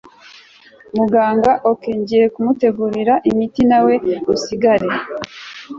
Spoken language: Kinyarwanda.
Muganga ok ngiye kumutegurira imiti nawe usigare